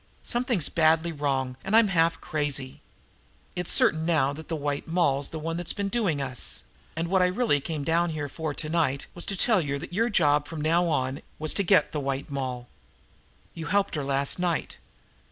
Something's badly wrong, and I'm half crazy. It's certain now that the White Moll's the one that's been doing us, and what I really came down here for to night was to tell you that your job from now on was to get the White Moll. You helped her last night.